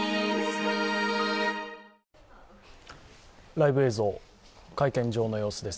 ライブ映像、会見場の様子です。